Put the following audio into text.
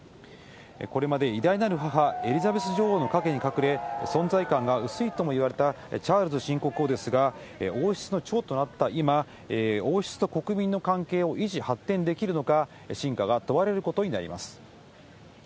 これまで偉大なる母、エリザベス女王の陰に隠れ、存在感が薄いともいわれたチャールズ新国王ですが、王室の長となった今、王室と国民の関係を維持、発展できるのか、真価が問われることになります。